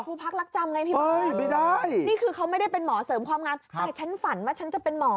คู่พาครักจำไงพี่บ๊าบลานี่คือเขาไม่ได้เป็นหมอเสริมความงานแต่ถ้าฉันฝันว่าเป็นหมอ